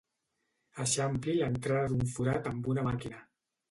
Eixampli l'entrada d'un forat amb una màquina.